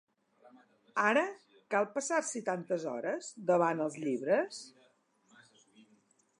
Ara, cal passar-s’hi tantes hores, davant els llibres?